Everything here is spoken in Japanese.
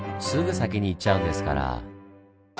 すぐ先に言っちゃうんですから。